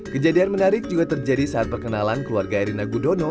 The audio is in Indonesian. kejadian menarik juga terjadi saat perkenalan keluarga erina gudono